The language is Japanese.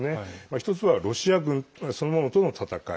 １つはロシア軍そのものとの戦い。